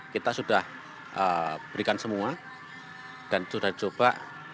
kita sudah berikan semua dan sudah coba